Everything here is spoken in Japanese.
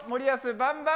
バンバン！